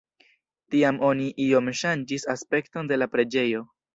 Tiam oni iom ŝanĝis aspekton de la preĝejo.